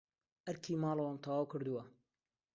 ئەرکی ماڵەوەم تەواو کردووە.